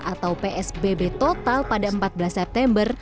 atau psbb total pada empat belas september